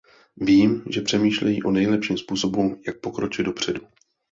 Vím, že přemýšlejí o nejlepším způsobu, jak pokročit dopředu.